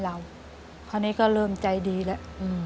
อเรนนี่คือเหตุการณ์เริ่มต้นหลอนช่วงแรกแล้วมีอะไรอีก